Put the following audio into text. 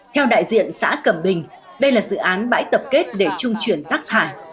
theo đại diện xã cầm bình đây là dự án bãi tập kết để trung truyền rác thải